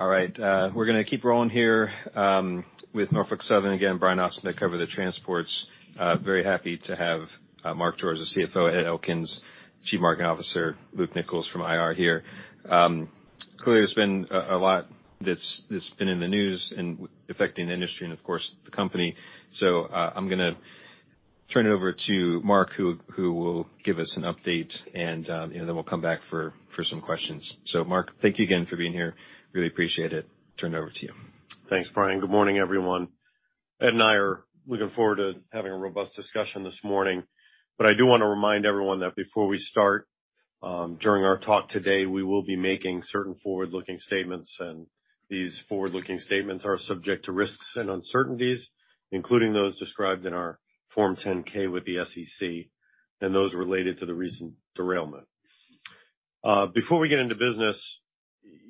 All right. We're gonna keep rolling here, with Norfolk Southern again. Brian Osborn to cover the transports. Very happy to have Mark George, the CFO, Ed Elkins, Chief Marketing Officer, Luke Nichols from IR here. Clearly there's been a lot that's been in the news and affecting the industry and, of course, the company. I'm gonna turn it over to Mark, who will give us an update and, you know, then we'll come back for some questions. Mark, thank you again for being here. Really appreciate it. Turn it over to you. Thanks, Brian. Good morning, everyone. Ed and I are looking forward to having a robust discussion this morning. I do wanna remind everyone that before we start, during our talk today, we will be making certain forward-looking statements. These forward-looking statements are subject to risks and uncertainties, including those described in our Form 10-K with the SEC and those related to the recent derailment. Before we get into business,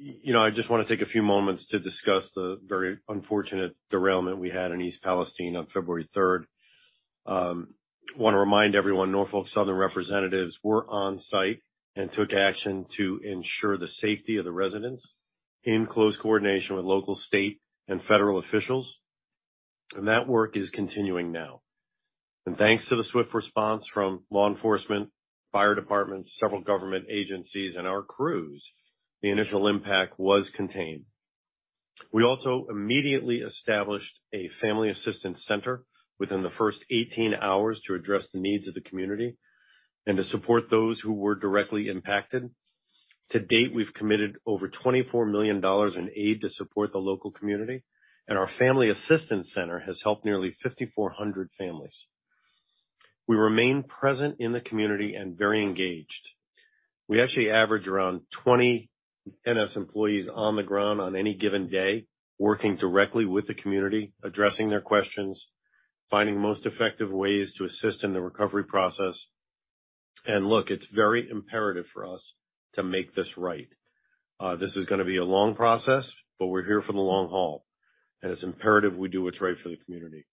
you know, I just wanna take a few moments to discuss the very unfortunate derailment we had in East Palestine on February 3rd. I wanna remind everyone Norfolk Southern representatives were on site and took action to ensure the safety of the residents in close coordination with local, state, and federal officials. That work is continuing now. Thanks to the swift response from law enforcement, fire departments, several government agencies, and our crews, the initial impact was contained. We also immediately established a family assistance center within the first 18 hours to address the needs of the community and to support those who were directly impacted. To date, we've committed over $24 million in aid to support the local community. Our family assistance center has helped nearly 5,400 families. We remain present in the community and very engaged. We actually average around 20 NS employees on the ground on any given day working directly with the community, addressing their questions, finding most effective ways to assist in the recovery process. Look, it's very imperative for us to make this right. This is gonna be a long process, but we're here for the long haul. It's imperative we do what's right for the community.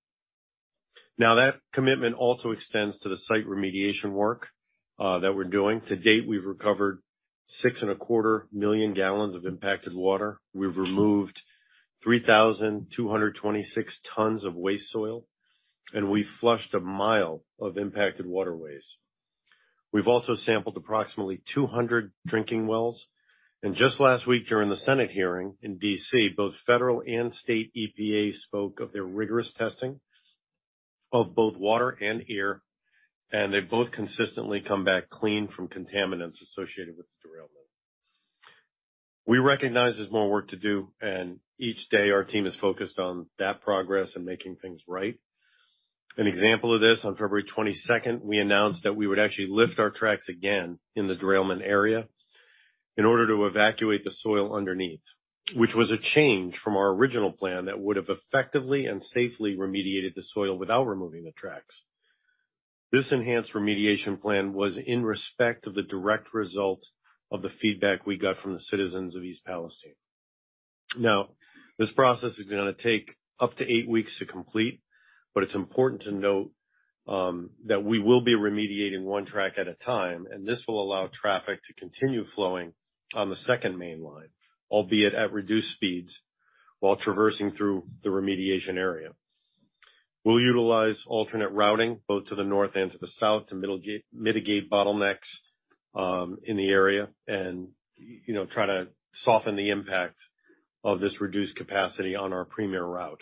That commitment also extends to the site remediation work that we're doing. To date, we've recovered six and a quarter million gallons of impacted water. We've removed 3,226 tons of waste soil. We've flushed a mile of impacted waterways. We've also sampled approximately 200 drinking wells. Just last week during the Senate hearing in Washington DC, both federal and state EPA spoke of their rigorous testing of both water and air. They've both consistently come back clean from contaminants associated with the derailment. We recognize there's more work to do. Each day, our team is focused on that progress and making things right. An example of this, on February 22nd, we announced that we would actually lift our tracks again in the derailment area in order to evacuate the soil underneath, which was a change from our original plan that would have effectively and safely remediated the soil without removing the tracks. This enhanced remediation plan was in respect of the direct result of the feedback we got from the citizens of East Palestine. Now, this process is gonna take up to eight weeks to complete. It is important to note that we will be remediating one track at a time. This will allow traffic to continue flowing on the second main line, albeit at reduced speeds while traversing through the remediation area. We will utilize alternate routing both to the north and to the south to mitigate bottlenecks in the area and, you know, try to soften the impact of this reduced capacity on our premier route.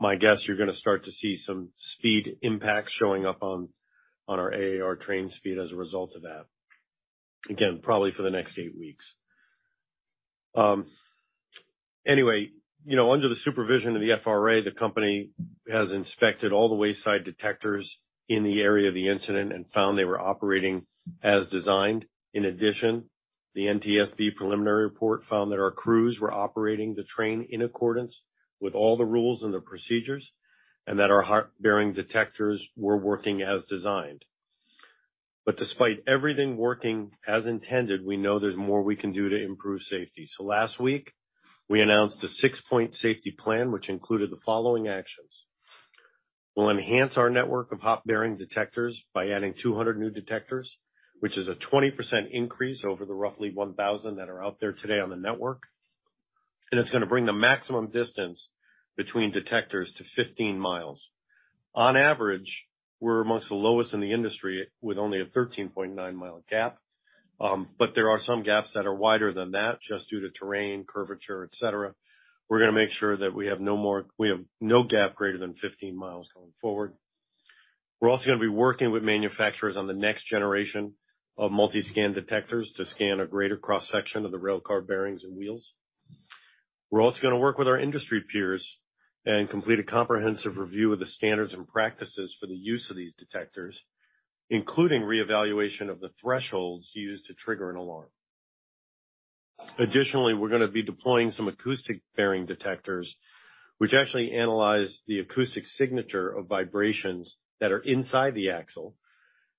My guess, you're gonna start to see some speed impacts showing up on our AAR train speed as a result of that. Again, probably for the next eight weeks. Anyway, you know, under the supervision of the FRA, the company has inspected all the wayside detectors in the area of the incident and found they were operating as designed. In addition, the NTSB preliminary report found that our crews were operating the train in accordance with all the rules and the procedures and that our hot bearing detectors were working as designed. Despite everything working as intended, we know there's more we can do to improve safety. Last week, we announced a six-point safety plan, which included the following actions. We'll enhance our network of hot bearing detectors by adding 200 new detectors, which is a 20% increase over the roughly 1,000 that are out there today on the network. It's going to bring the maximum distance between detectors to 15 miles. On average, we're amongst the lowest in the industry with only a 13.9-mile gap. There are some gaps that are wider than that just due to terrain, curvature, etc. We're gonna make sure that we have no gap greater than 15 mi going forward. We're also gonna be working with manufacturers on the next generation of multi-scan detectors to scan a greater cross-section of the rail car bearings and wheels. We're also gonna work with our industry peers and complete a comprehensive review of the standards and practices for the use of these detectors, including reevaluation of the thresholds used to trigger an alarm. Additionally, we're gonna be deploying some acoustic bearing detectors, which actually analyze the acoustic signature of vibrations that are inside the axle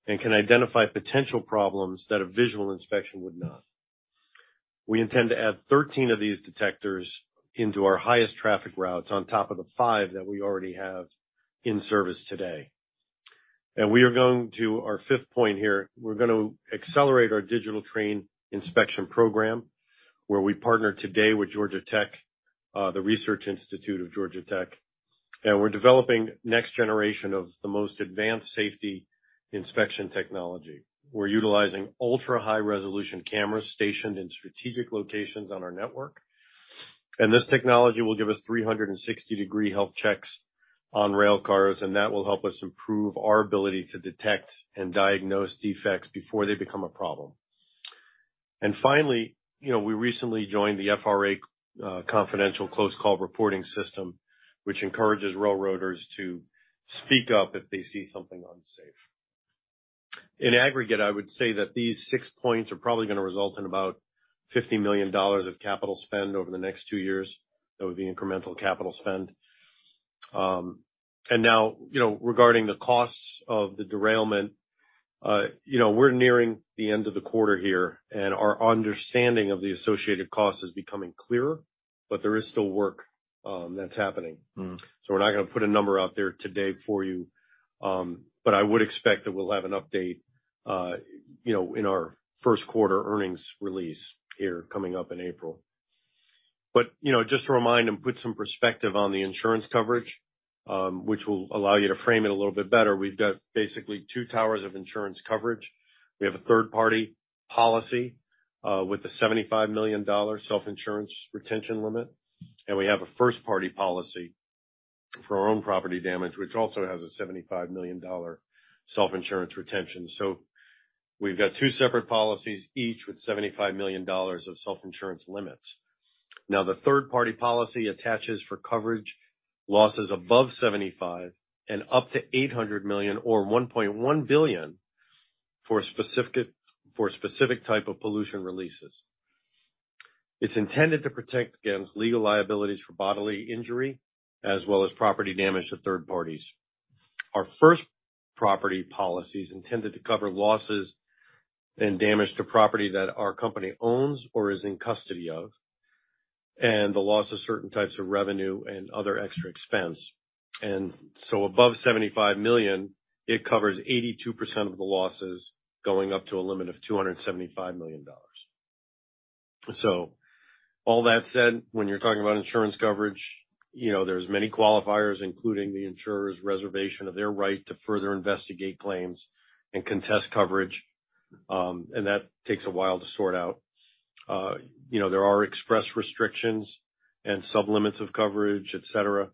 and can identify potential problems that a visual inspection would not. We intend to add 13 of these detectors into our highest traffic routes on top of the five that we already have in service today. We are going to our fifth point here. We're gonna accelerate our digital train inspection program where we partner today with Georgia Tech, the Research Institute of Georgia Tech. We're developing next generation of the most advanced safety inspection technology. We're utilizing ultra-high-resolution cameras stationed in strategic locations on our network. This technology will give us 360-degree health checks on rail cars. That will help us improve our ability to detect and diagnose defects before they become a problem. Finally, you know, we recently joined the FRA Confidential Close Call Reporting System, which encourages railroaders to speak up if they see something unsafe. In aggregate, I would say that these six points are probably gonna result in about $50 million of capital spend over the next two years. That would be incremental capital spend. Now, you know, regarding the costs of the derailment, you know, we're nearing the end of the quarter here. Our understanding of the associated costs is becoming clearer. There is still work that's happening. We're not gonna put a number out there today for you. I would expect that we'll have an update, you know, in our first quarter earnings release here coming up in April. Just to remind and put some perspective on the insurance coverage, which will allow you to frame it a little bit better. We've got basically two towers of insurance coverage. We have a third-party policy with a $75 million self-insurance retention limit. We have a first-party policy for our own property damage, which also has a $75 million self-insurance retention. We have two separate policies each with $75 million of self-insurance limits. Now, the third-party policy attaches for coverage losses above $75 million and up to $800 million or $1.1 billion for a specific type of pollution releases. It is intended to protect against legal liabilities for bodily injury as well as property damage to third parties. Our first-party policy is intended to cover losses and damage to property that our company owns or is in custody of and the loss of certain types of revenue and other extra expense. Above $75 million, it covers 82% of the losses going up to a limit of $275 million. All that said, when you're talking about insurance coverage, you know, there's many qualifiers, including the insurer's reservation of their right to further investigate claims and contest coverage. That takes a while to sort out. You know, there are express restrictions and sublimits of coverage, etc.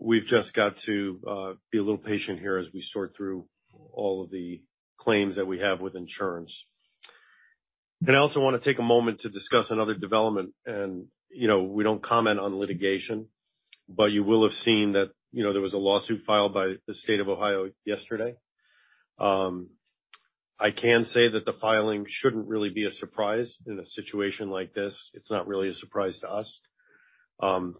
We've just got to be a little patient here as we sort through all of the claims that we have with insurance. I also wanna take a moment to discuss another development. You know, we don't comment on litigation. You will have seen that, you know, there was a lawsuit filed by the state of Ohio yesterday. I can say that the filing shouldn't really be a surprise in a situation like this. It's not really a surprise to us.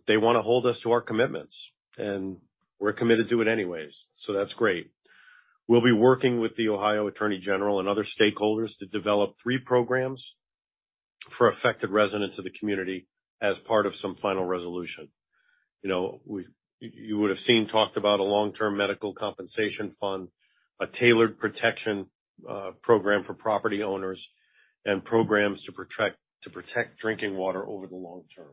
They wanna hold us to our commitments. We're committed to it anyways. That's great. We'll be working with the Ohio Attorney General and other stakeholders to develop three programs for affected residents of the community as part of some final resolution. You know, you would have seen talked about a long-term medical compensation fund, a tailored protection program for property owners, and programs to protect drinking water over the long term.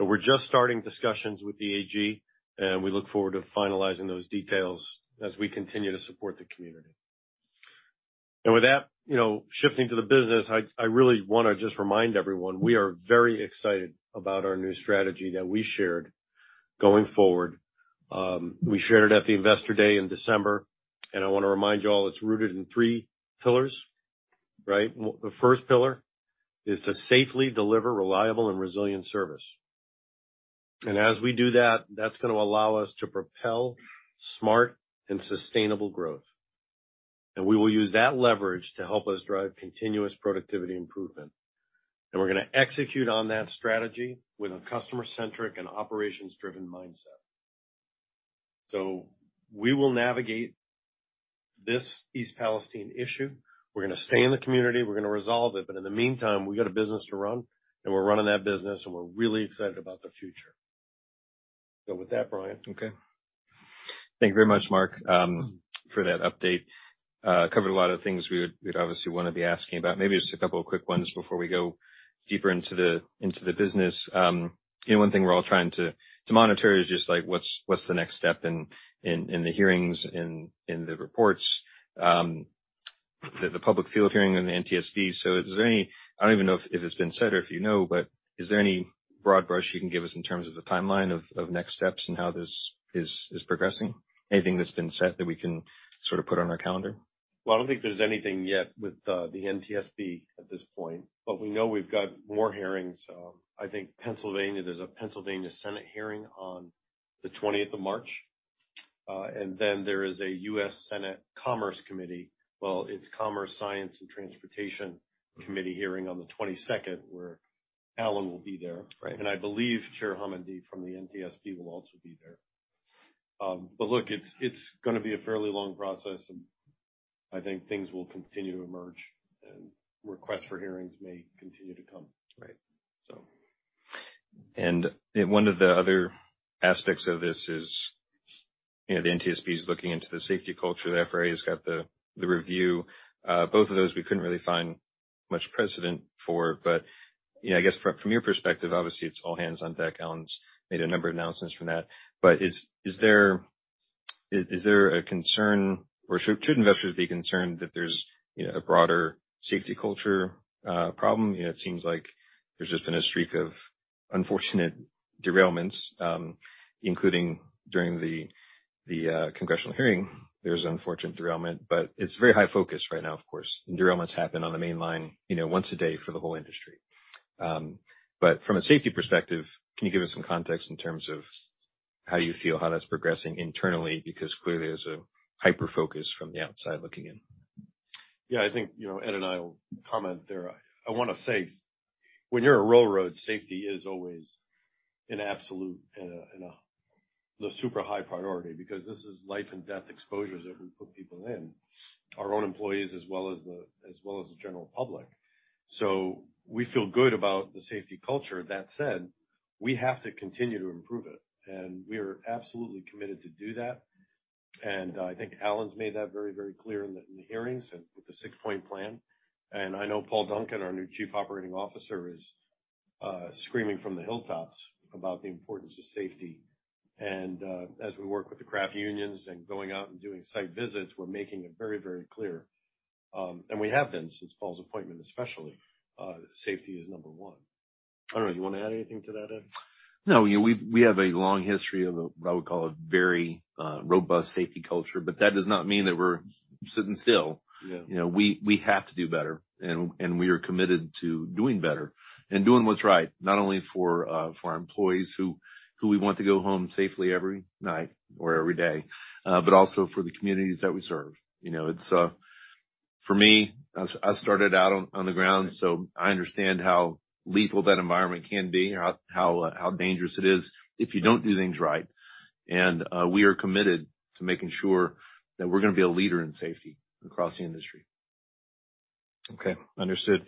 We're just starting discussions with the AG. We look forward to finalizing those details as we continue to support the community. You know, shifting to the business, I really wanna just remind everyone we are very excited about our new strategy that we shared going forward. We shared it at the Investor Day in December. I wanna remind you all it's rooted in three pillars, right? The first pillar is to safely deliver reliable and resilient service. As we do that, that's gonna allow us to propel smart and sustainable growth. We will use that leverage to help us drive continuous productivity improvement. We're gonna execute on that strategy with a customer-centric and operations-driven mindset. We will navigate this East Palestine issue. We're gonna stay in the community. We're gonna resolve it. In the meantime, we got a business to run. We're running that business. We're really excited about the future. With that, Brian. Okay. Thank you very much, Mark, for that update. Covered a lot of things we would obviously wanna be asking about. Maybe just a couple of quick ones before we go deeper into the business. You know, one thing we're all trying to monitor is just, like, what's the next step in the hearings and in the reports, the public field hearing and the NTSB. Is there any, I don't even know if it's been set or if you know. Is there any broad brush you can give us in terms of the timeline of next steps and how this is progressing? Anything that's been set that we can sort of put on our calendar? I don't think there's anything yet with the NTSB at this point. We know we've got more hearings. I think Pennsylvania, there's a Pennsylvania Senate hearing on the 20th of March, and then there is a U.S. Senate Commerce, Science, and Transportation Committee hearing on the 22nd where Alan will be there. Right. I believe Chair Homendy from the NTSB will also be there. Look, it's gonna be a fairly long process. I think things will continue to emerge. Requests for hearings may continue to come. Right. So. One of the other aspects of this is, you know, the NTSB's looking into the safety culture. The FRA has got the review. Both of those we couldn't really find much precedent for. But, you know, I guess from your perspective, obviously, it's all hands on deck. Alan's made a number of announcements from that. Is there, is there a concern or should investors be concerned that there's, you know, a broader safety culture problem? You know, it seems like there's just been a streak of unfortunate derailments, including during the congressional hearing. There's an unfortunate derailment. It's very high focus right now, of course. And derailments happen on the main line, you know, once a day for the whole industry. From a safety perspective, can you give us some context in terms of how you feel how that's progressing internally? Because clearly, there's a hyper-focus from the outside looking in. Yeah. I think, you know, Ed and I will comment there. I want to say when you're a railroad, safety is always an absolute and a super high priority because this is life-and-death exposures that we put people in, our own employees as well as the general public. We feel good about the safety culture. That said, we have to continue to improve it. We are absolutely committed to do that. I think Alan's made that very, very clear in the hearings and with the six-point plan. I know Paul Duncan, our new Chief Operating Officer, is screaming from the hilltops about the importance of safety. As we work with the craft unions and going out and doing site visits, we're making it very, very clear, and we have been since Paul's appointment, especially. Safety is number one. I don't know. Do you wanna add anything to that, Ed? No. You know, we have a long history of what I would call a very robust safety culture. That does not mean that we're sitting still. Yeah. You know, we have to do better. And we are committed to doing better and doing what's right not only for our employees who we want to go home safely every night or every day, but also for the communities that we serve. You know, for me, I started out on the ground. So I understand how lethal that environment can be, how dangerous it is if you don't do things right. And we are committed to making sure that we're gonna be a leader in safety across the industry. Okay. Understood.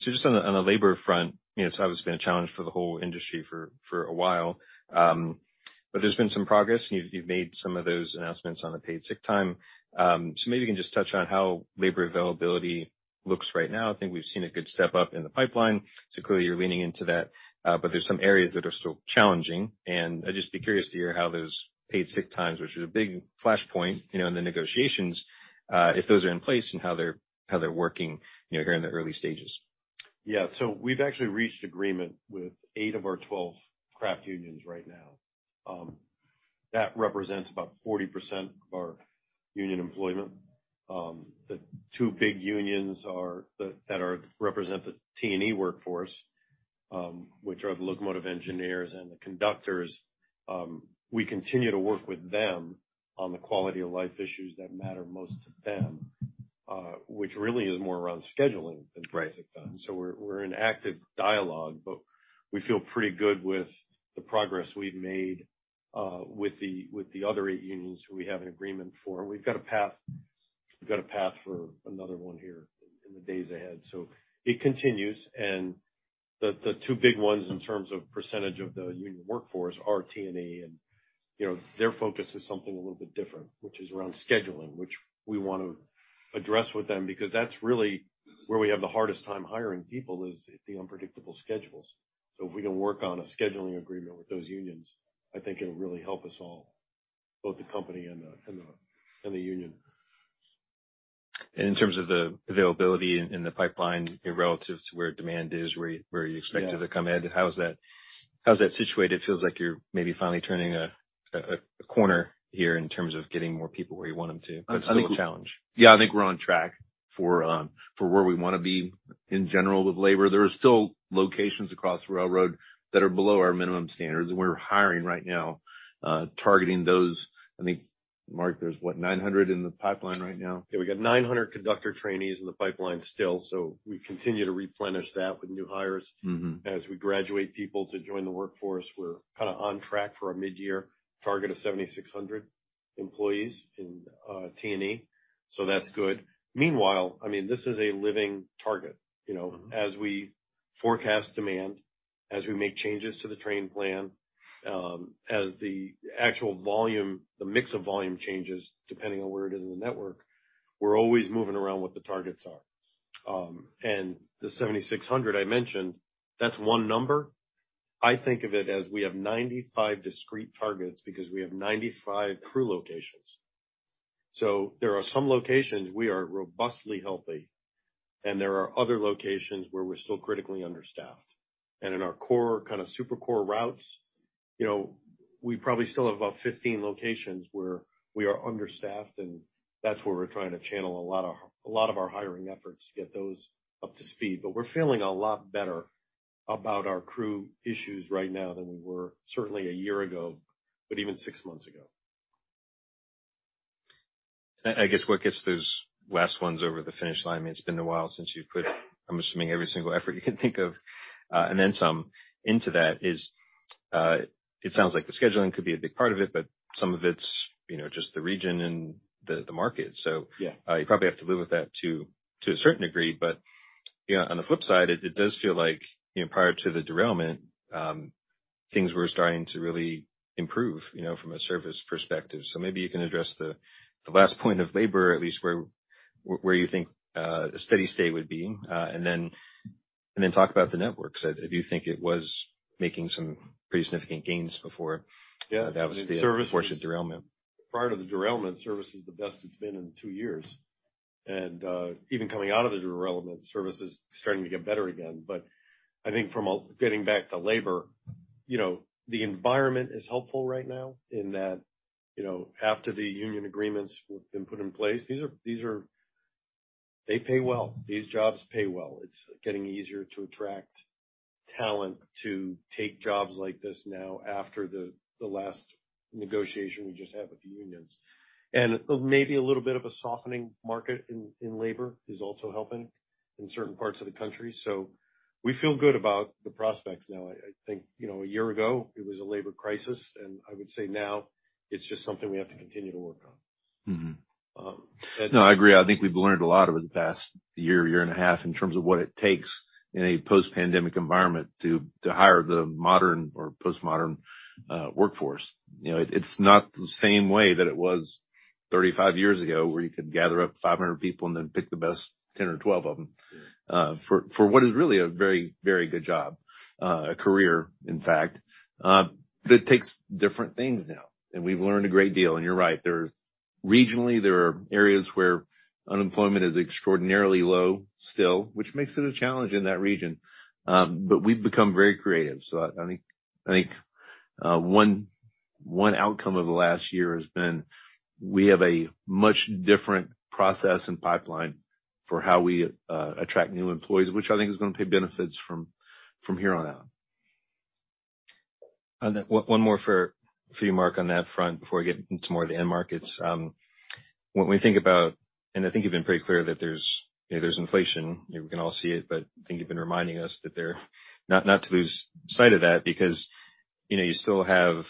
Just on the labor front, you know, it's obviously been a challenge for the whole industry for a while. But there's been some progress. And you've made some of those announcements on the paid sick time. Maybe you can just touch on how labor availability looks right now. I think we've seen a good step up in the pipeline. Clearly, you're leaning into that, but there are some areas that are still challenging. I'd just be curious to hear how those paid sick times, which is a big flashpoint in the negotiations, if those are in place and how they're working here in the early stages. Yeah. We've actually reached agreement with eight of our twelve craft unions right now. That represents about 40% of our union employment. The two big unions are that, that represent the T&E workforce, which are the locomotive engineers and the conductors. We continue to work with them on the quality of life issues that matter most to them, which really is more around scheduling than paid sick time. Right. We're in active dialogue. We feel pretty good with the progress we've made with the other eight unions who we have an agreement for. We've got a path for another one here in the days ahead. It continues. The two big ones in terms of percentage of the union workforce are T&E. You know, their focus is something a little bit different, which is around scheduling, which we want to address with them because that's really where we have the hardest time hiring people is the unpredictable schedules. If we can work on a scheduling agreement with those unions, I think it'll really help us all, both the company and the union. In terms of the availability in, in the pipeline, you know, relative to where demand is, where you where you expect it to come in, how is that, how is that situated? It feels like you're maybe finally turning a, a corner here in terms of getting more people where you want them to. I think. It is still a challenge. Yeah. I think we're on track for where we wanna be in general with labor. There are still locations across the railroad that are below our minimum standards. We're hiring right now, targeting those. I think, Mark, there's what, 900 in the pipeline right now? Yeah. We got 900 conductor trainees in the pipeline still. We continue to replenish that with new hires. Mm-hmm. As we graduate people to join the workforce, we're kinda on track for a mid-year target of 7,600 employees in T&E. So that's good. Meanwhile, I mean, this is a living target, you know. Mm-hmm. As we forecast demand, as we make changes to the training plan, as the actual volume, the mix of volume changes depending on where it is in the network, we're always moving around what the targets are. The 7,600 I mentioned, that's one number. I think of it as we have 95 discrete targets because we have 95 crew locations. There are some locations we are robustly healthy. There are other locations where we're still critically understaffed. In our core, kind of super core routes, you know, we probably still have about 15 locations where we are understaffed. That's where we're trying to channel a lot of our hiring efforts to get those up to speed. We're feeling a lot better about our crew issues right now than we were certainly a year ago, but even six months ago. I guess what gets those last ones over the finish line, I mean, it's been a while since you've put, I'm assuming, every single effort you can think of, and then some into that. It sounds like the scheduling could be a big part of it. Some of it's, you know, just the region and the market. Yeah. You probably have to live with that to a certain degree. But, you know, on the flip side, it does feel like, you know, prior to the derailment, things were starting to really improve, you know, from a service perspective. Maybe you can address the last point of labor, at least where you think a steady state would be, and then talk about the network. I do think it was making some pretty significant gains before. Yeah. Obviously, the. The service. Fortune derailment. Prior to the derailment, service is the best it's been in two years. Even coming out of the derailment, service is starting to get better again. I think from a getting back to labor, you know, the environment is helpful right now in that, you know, after the union agreements have been put in place, these are they pay well. These jobs pay well. It's getting easier to attract talent to take jobs like this now after the last negotiation we just had with the unions. Maybe a little bit of a softening market in labor is also helping in certain parts of the country. We feel good about the prospects now. I think, you know, a year ago, it was a labor crisis. I would say now it's just something we have to continue to work on. Mm-hmm. No, I agree. I think we've learned a lot over the past year, year and a half in terms of what it takes in a post-pandemic environment to, to hire the modern or post-modern workforce. You know, it's not the same way that it was 35 years ago where you could gather up 500 people and then pick the best 10 or 12 of them, for, for what is really a very, very good job, a career, in fact. That takes different things now. And we've learned a great deal. And you're right. There are regionally, there are areas where unemployment is extraordinarily low still, which makes it a challenge in that region. We've become very creative. I think one outcome of the last year has been we have a much different process and pipeline for how we attract new employees, which I think is gonna pay benefits from here on out. One more for you, Mark, on that front before we get into more of the end markets. When we think about, and I think you've been pretty clear that there's, you know, there's inflation. You know, we can all see it. I think you've been reminding us not to lose sight of that because, you know, you still have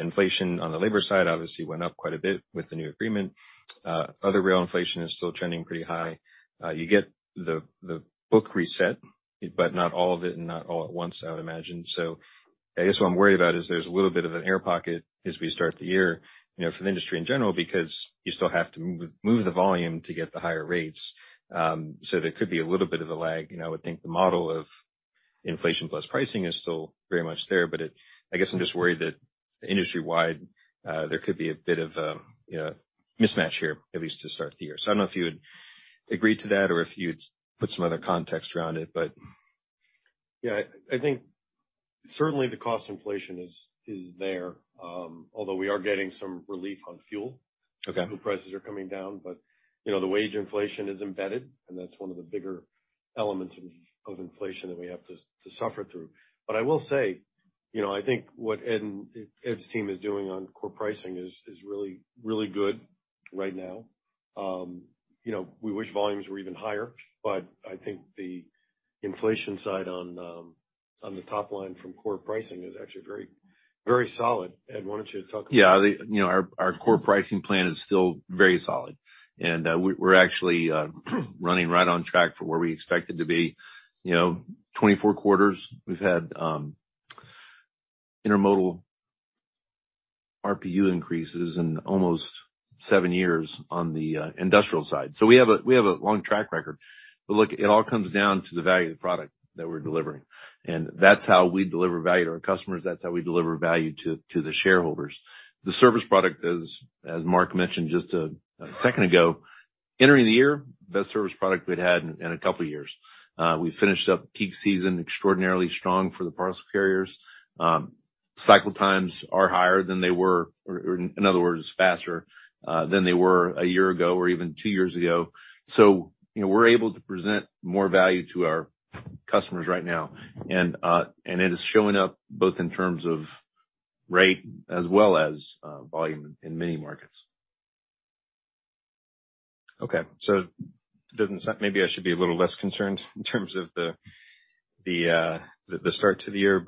inflation on the labor side. Obviously, it went up quite a bit with the new agreement. Other rail inflation is still trending pretty high. You get the book reset, but not all of it and not all at once, I would imagine. I guess what I'm worried about is there's a little bit of an air pocket as we start the year, you know, for the industry in general because you still have to move, move the volume to get the higher rates. There could be a little bit of a lag. You know, I would think the model of inflation plus pricing is still very much there. I guess I'm just worried that industry-wide, there could be a bit of a, you know, mismatch here, at least to start the year. I don't know if you would agree to that or if you'd put some other context around it. Yeah. I think certainly the cost inflation is there, although we are getting some relief on fuel. Okay. Fuel prices are coming down. You know, the wage inflation is embedded. That is one of the bigger elements of inflation that we have to suffer through. I will say, you know, I think what Ed and Ed's team is doing on core pricing is really, really good right now. You know, we wish volumes were even higher. I think the inflation side on the top line from core pricing is actually very, very solid. Ed, why don't you talk about. Yeah. You know, our core pricing plan is still very solid. We're actually running right on track for where we expect it to be. Twenty-four quarters, we've had intermodal RPU increases in almost seven years on the industrial side. We have a long track record. Look, it all comes down to the value of the product that we're delivering. That's how we deliver value to our customers. That's how we deliver value to the shareholders. The service product is, as Mark mentioned just a second ago, entering the year, best service product we'd had in a couple of years. We finished up peak season extraordinarily strong for the parcel carriers. Cycle times are higher than they were or, in other words, faster than they were a year ago or even two years ago. You know, we're able to present more value to our customers right now, and it is showing up both in terms of rate as well as volume in many markets. Okay. It doesn't sound like I should be a little less concerned in terms of the start to the year.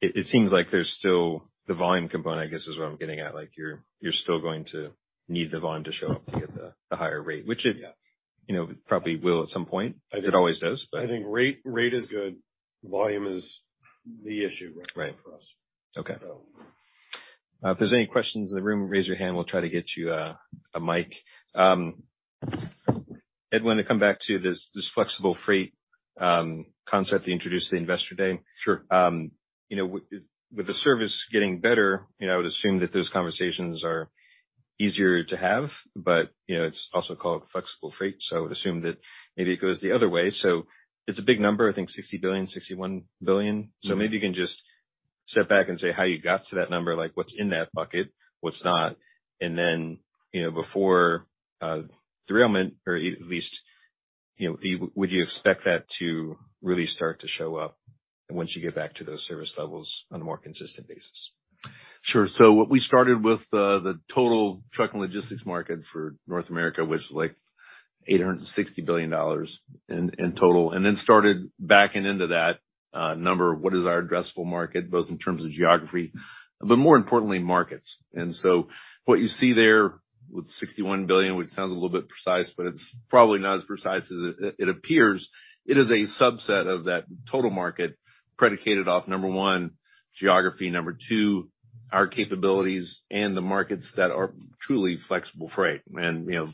It seems like there's still the volume component, I guess, is what I'm getting at. Like, you're still going to need the volume to show up to get the higher rate, which it. Yeah. You know, probably will at some point. I think. It always does. I think rate, rate is good. Volume is the issue right now for us. Right. Okay. So. If there's any questions in the room, raise your hand. We'll try to get you a mic. Ed, wanted to come back to this flexible freight concept that you introduced to the investor today. Sure. You know, with the service getting better, you know, I would assume that those conversations are easier to have. You know, it's also called flexible freight. I would assume that maybe it goes the other way. It's a big number. I think $60 billion, $61 billion. Mm-hmm. Maybe you can just step back and say how you got to that number, like what's in that bucket, what's not. And then, you know, before, derailment or at least, you know, you would you expect that to really start to show up once you get back to those service levels on a more consistent basis? Sure. What we started with, the total trucking logistics market for North America, which is like $860 billion in total, and then started backing into that number of what is our addressable market, both in terms of geography but more importantly, markets. What you see there with $61 billion, which sounds a little bit precise, but it's probably not as precise as it appears, it is a subset of that total market predicated off, number one, geography. Number two, our capabilities and the markets that are truly flexible freight. You know,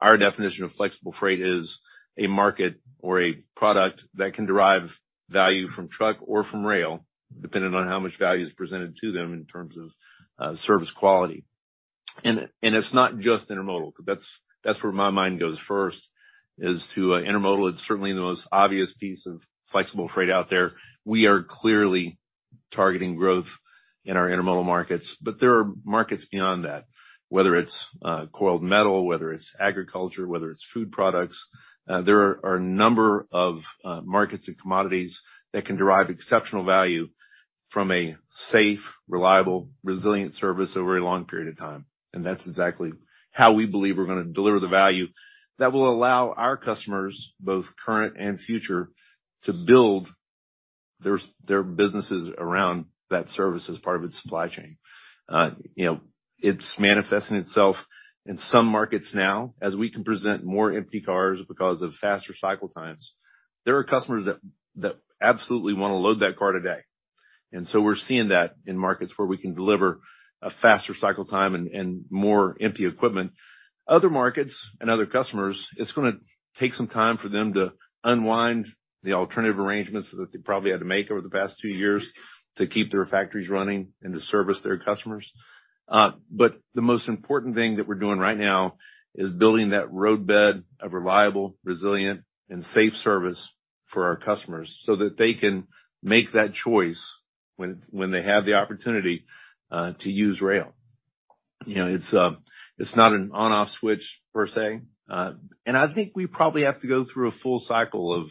our definition of flexible freight is a market or a product that can derive value from truck or from rail depending on how much value is presented to them in terms of service quality. It's not just intermodal because that's where my mind goes first is to intermodal. It's certainly the most obvious piece of flexible freight out there. We are clearly targeting growth in our intermodal markets. There are markets beyond that, whether it's coiled metal, whether it's agriculture, whether it's food products. There are a number of markets and commodities that can derive exceptional value from a safe, reliable, resilient service over a long period of time. That's exactly how we believe we're gonna deliver the value that will allow our customers, both current and future, to build their businesses around that service as part of its supply chain. You know, it's manifesting itself in some markets now as we can present more empty cars because of faster cycle times. There are customers that absolutely wanna load that car today. We're seeing that in markets where we can deliver a faster cycle time and more empty equipment. Other markets and other customers, it's gonna take some time for them to unwind the alternative arrangements that they probably had to make over the past two years to keep their factories running and to service their customers. The most important thing that we're doing right now is building that roadbed of reliable, resilient, and safe service for our customers so that they can make that choice when, when they have the opportunity, to use rail. You know, it's, it's not an on-off switch per se. I think we probably have to go through a full cycle of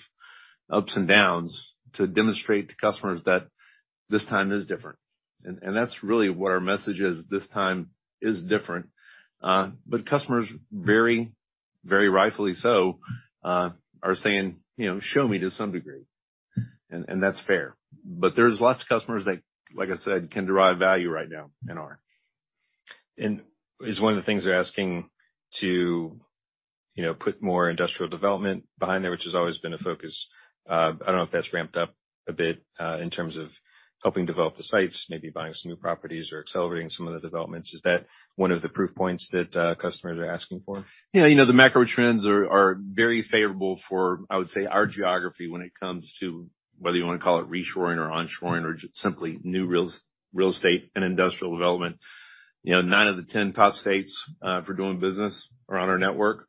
ups and downs to demonstrate to customers that this time is different. That's really what our message is this time is different. Customers, very, very rightfully so, are saying, you know, "Show me" to some degree. That's fair. There are lots of customers that, like I said, can derive value right now in our. Is one of the things they're asking to, you know, put more industrial development behind there, which has always been a focus. I don't know if that's ramped up a bit, in terms of helping develop the sites, maybe buying some new properties or accelerating some of the developments. Is that one of the proof points that customers are asking for? Yeah. You know, the macro trends are very favorable for, I would say, our geography when it comes to whether you wanna call it reshoring or onshoring or just simply new real estate and industrial development. You know, 9 of the 10 top states for doing business are on our network.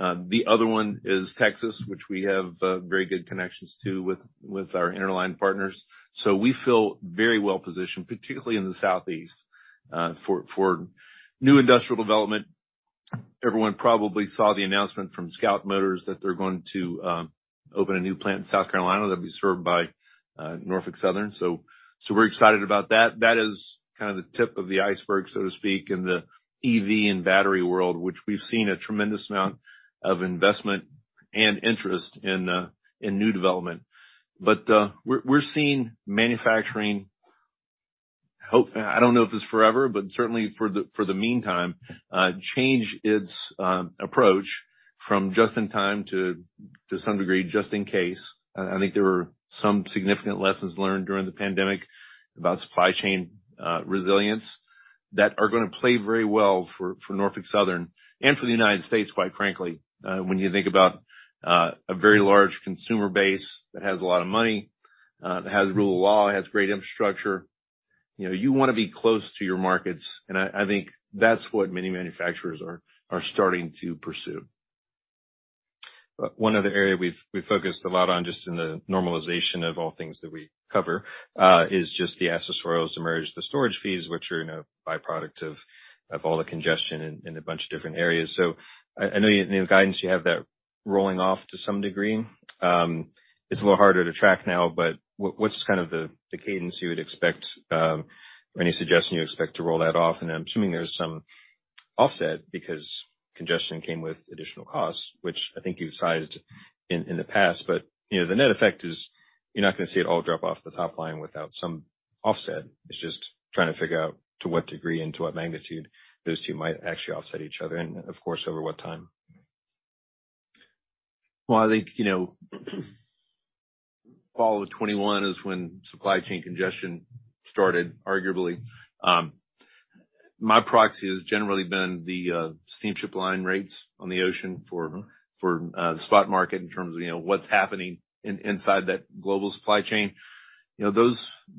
The other one is Texas, which we have very good connections to with our interline partners. We feel very well positioned, particularly in the Southeast, for new industrial development. Everyone probably saw the announcement from Scout Motors that they're going to open a new plant in South Carolina. They'll be served by Norfolk Southern. We're excited about that. That is kind of the tip of the iceberg, so to speak, in the EV and battery world, which we've seen a tremendous amount of investment and interest in new development. We're seeing manufacturing hope. I don't know if it's forever, but certainly for the meantime, change its approach from just in time to, to some degree, just in case. I think there were some significant lessons learned during the pandemic about supply chain resilience that are gonna play very well for Norfolk Southern and for the United States, quite frankly. When you think about a very large consumer base that has a lot of money, that has rule of law, has great infrastructure, you know, you wanna be close to your markets. And I think that's what many manufacturers are starting to pursue. One other area we've focused a lot on just in the normalization of all things that we cover is just the accessorials, demurrage, the storage fees, which are, you know, a byproduct of all the congestion in a bunch of different areas. I know you, in the guidance, you have that rolling off to some degree. It's a little harder to track now. What is kind of the cadence you would expect, or any suggestion you expect to roll that off? I'm assuming there's some offset because congestion came with additional costs, which I think you've sized in the past. You know, the net effect is you're not gonna see it all drop off the top line without some offset. It's just trying to figure out to what degree and to what magnitude those two might actually offset each other. Of course, over what time? I think, you know, fall of 2021 is when supply chain congestion started, arguably. My proxy has generally been the steamship line rates on the ocean for. Mm-hmm. For the spot market in terms of, you know, what's happening inside that global supply chain. You know,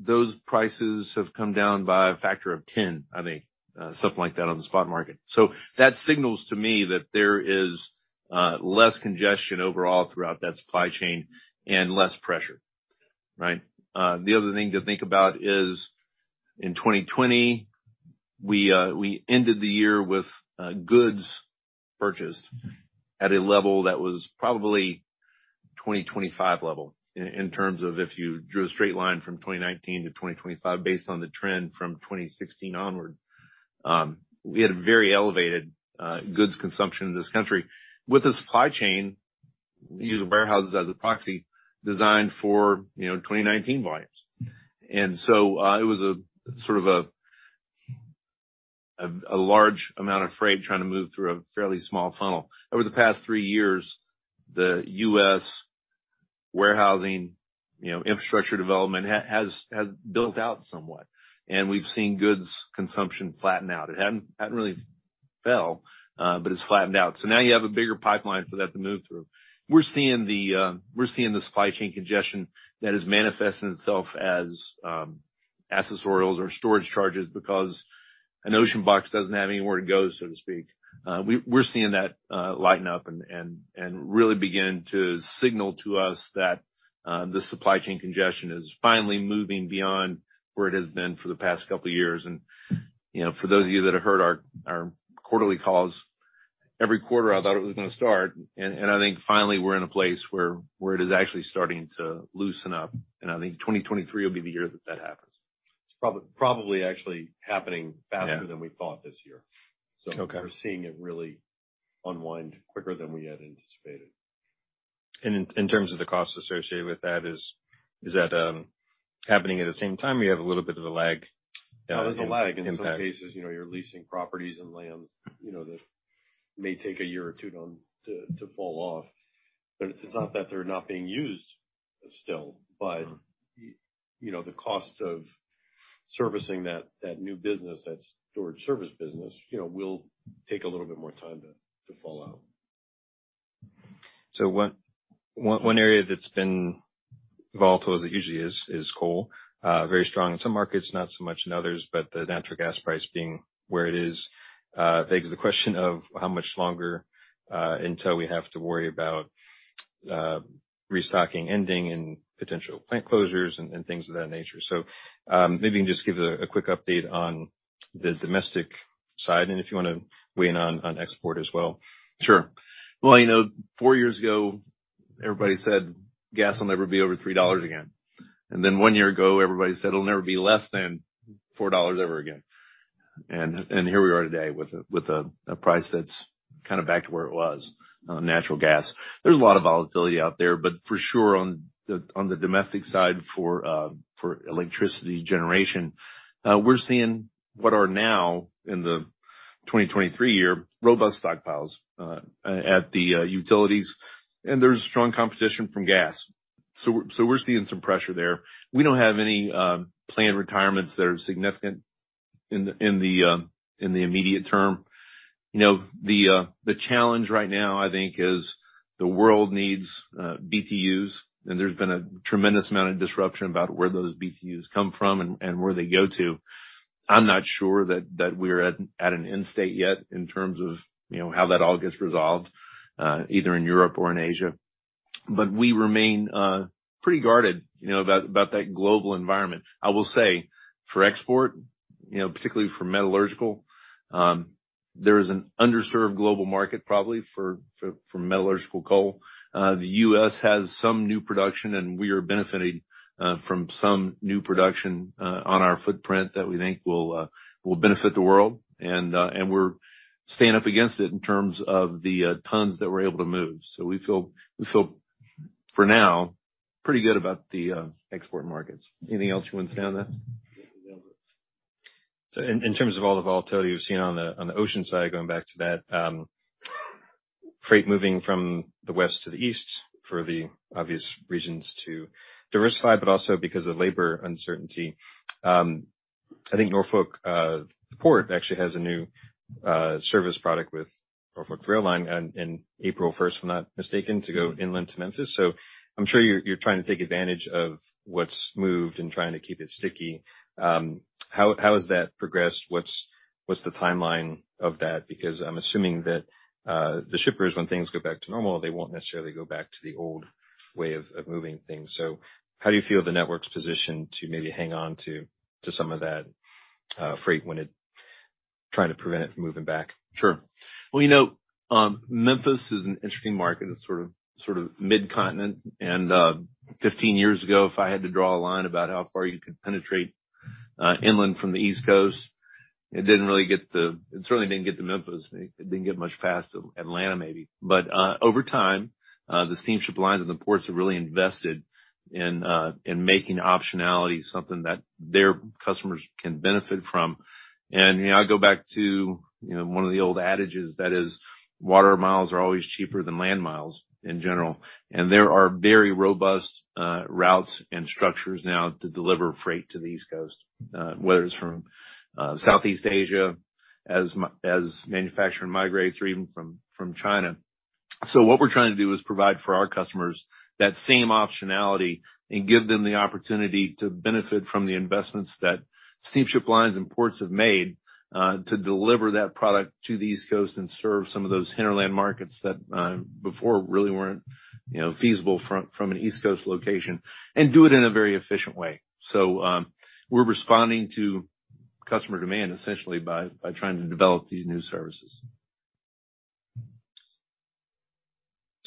those prices have come down by a factor of 10, I think, something like that on the spot market. That signals to me that there is less congestion overall throughout that supply chain and less pressure, right? The other thing to think about is in 2020, we ended the year with goods purchased at a level that was probably 2025 level in terms of if you drew a straight line from 2019 to 2025 based on the trend from 2016 onward. We had a very elevated goods consumption in this country with the supply chain. We use warehouses as a proxy designed for, you know, 2019 volumes. It was a sort of a large amount of freight trying to move through a fairly small funnel. Over the past three years, the U.S. warehousing, you know, infrastructure development has built out somewhat. And we've seen goods consumption flatten out. It hadn't really fell, but it's flattened out. So now you have a bigger pipeline for that to move through. We're seeing the supply chain congestion that is manifesting itself as accessorials or storage charges because an ocean box doesn't have anywhere to go, so to speak. We're seeing that lighten up and really begin to signal to us that the supply chain congestion is finally moving beyond where it has been for the past couple of years. You know, for those of you that have heard our quarterly calls, every quarter, I thought it was gonna start. I think finally we're in a place where it is actually starting to loosen up. I think 2023 will be the year that that happens. It's probably actually happening faster than we thought this year. Okay. We're seeing it really unwind quicker than we had anticipated. In terms of the cost associated with that, is that happening at the same time? You have a little bit of a lag in some cases. Oh, there's a lag. In some cases, you know, you're leasing properties and lands, you know, that may take a year or two to fall off. It's not that they're not being used still. Mm-hmm. You know, the cost of servicing that new business, that storage service business, you know, will take a little bit more time to fall out. One area that's been volatile as it usually is, is coal, very strong in some markets, not so much in others. The natural gas price being where it is, begs the question of how much longer, until we have to worry about restocking ending and potential plant closures and things of that nature. Maybe you can just give a quick update on the domestic side and if you wanna weigh in on export as well. Sure. You know, four years ago, everybody said gas will never be over $3 again. One year ago, everybody said it'll never be less than $4 ever again. Here we are today with a price that's kind of back to where it was on natural gas. There's a lot of volatility out there. For sure on the domestic side for electricity generation, we're seeing what are now in the 2023 year, robust stockpiles at the utilities. There's strong competition from gas, so we're seeing some pressure there. We don't have any planned retirements that are significant in the immediate term. You know, the challenge right now, I think, is the world needs BTUs. There's been a tremendous amount of disruption about where those BTUs come from and where they go to. I'm not sure that we're at an end state yet in terms of, you know, how that all gets resolved, either in Europe or in Asia. We remain pretty guarded, you know, about that global environment. I will say for export, you know, particularly for metallurgical, there is an underserved global market probably for metallurgical coal. The U.S. has some new production, and we are benefiting from some new production on our footprint that we think will benefit the world. We're staying up against it in terms of the tons that we're able to move. We feel for now pretty good about the export markets. Anything else you wanna say on that? In terms of all the volatility you've seen on the, on the ocean side, going back to that, freight moving from the west to the east for the obvious reasons to diversify, but also because of labor uncertainty. I think Norfolk, Port actually has a new, service product with Norfolk Rail Line on, on April 1st, if I'm not mistaken, to go inland to Memphis. I'm sure you're, you're trying to take advantage of what's moved and trying to keep it sticky. How has that progressed? What's the timeline of that? Because I'm assuming that the shippers, when things go back to normal, they won't necessarily go back to the old way of, of moving things. How do you feel the network's positioned to maybe hang on to, to some of that, freight when it trying to prevent it from moving back? Sure. You know, Memphis is an interesting market. It's sort of mid-continent. Fifteen years ago, if I had to draw a line about how far you could penetrate inland from the East Coast, it didn't really get the, it certainly didn't get to Memphis. It didn't get much past Atlanta maybe. Over time, the steamship lines and the ports have really invested in making optionality something that their customers can benefit from. I go back to one of the old adages, that is, water miles are always cheaper than land miles in general. There are very robust routes and structures now to deliver freight to the East Coast, whether it's from Southeast Asia as manufacturing migrates or even from China. What we're trying to do is provide for our customers that same optionality and give them the opportunity to benefit from the investments that steamship lines and ports have made, to deliver that product to the East Coast and serve some of those hinterland markets that, before, really weren't, you know, feasible from an East Coast location and do it in a very efficient way. We're responding to customer demand essentially by trying to develop these new services.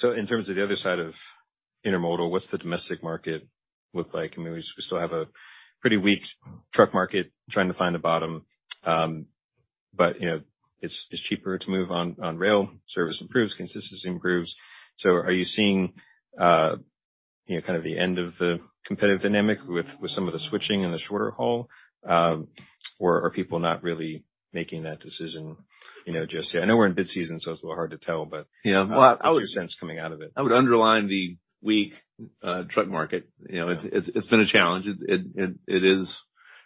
In terms of the other side of intermodal, what's the domestic market look like? I mean, we still have a pretty weak truck market trying to find a bottom, but, you know, it's cheaper to move on rail. Service improves, consistency improves. So are you seeing, you know, kind of the end of the competitive dynamic with some of the switching and the shorter haul? Or are people not really making that decision, you know, just yet? I know we're in mid-season, so it's a little hard to tell, but. Yeah. I. What's your sense coming out of it? I would underline the weak, truck market. You know, it's been a challenge. It is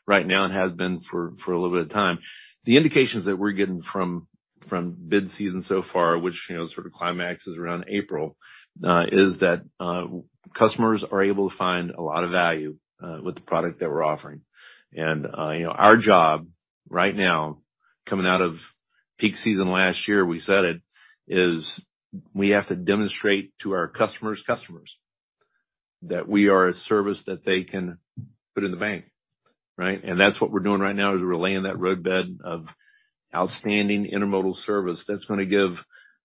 right now and has been for a little bit of time. The indications that we're getting from mid-season so far, which, you know, sort of climaxes around April, is that customers are able to find a lot of value with the product that we're offering. You know, our job right now, coming out of peak season last year, we said it, is we have to demonstrate to our customers' customers that we are a service that they can put in the bank, right? That's what we're doing right now is we're laying that roadbed of outstanding intermodal service that's gonna give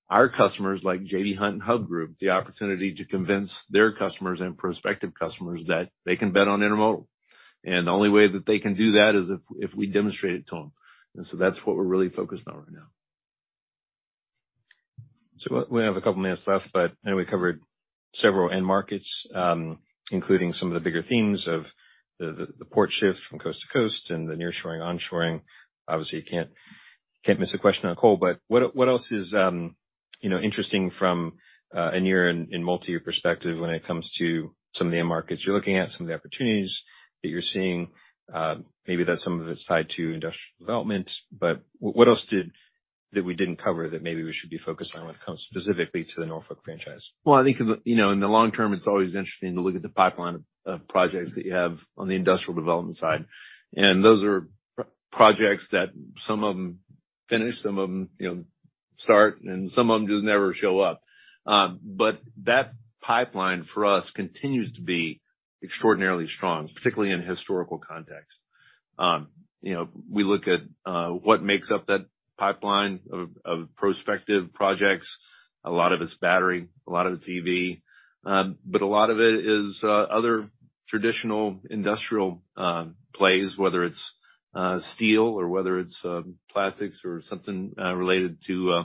our customers like J.B. Hunt and Hub Group the opportunity to convince their customers and prospective customers that they can bet on intermodal. The only way that they can do that is if we demonstrate it to them. That is what we are really focused on right now. We have a couple minutes left, but I know we covered several end markets, including some of the bigger themes of the port shift from coast to coast and the nearshoring, onshoring. Obviously, you can't miss a question on coal. What else is, you know, interesting from a near and multi-year perspective when it comes to some of the end markets you're looking at, some of the opportunities that you're seeing? Maybe that some of it's tied to industrial development. What else did we didn't cover that maybe we should be focused on when it comes specifically to the Norfolk franchise? I think, you know, in the long term, it's always interesting to look at the pipeline of projects that you have on the industrial development side. Those are projects that some of them finish, some of them, you know, start, and some of them just never show up. That pipeline for us continues to be extraordinarily strong, particularly in historical context. You know, we look at what makes up that pipeline of prospective projects. A lot of it's battery, a lot of it's EV. A lot of it is other traditional industrial plays, whether it's steel or whether it's plastics or something related to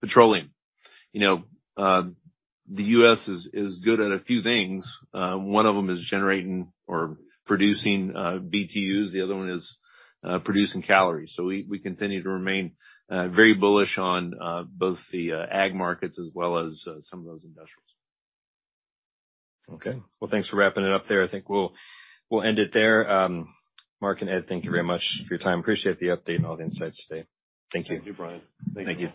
petroleum. You know, the U.S. is good at a few things. One of them is generating or producing BTUs. The other one is producing calories. We continue to remain very bullish on both the AgMarkets as well as some of those industrials. Okay. Thanks for wrapping it up there. I think we'll end it there. Mark and Ed, thank you very much for your time. Appreciate the update and all the insights today. Thank you. Thank you, Brian. Thank you.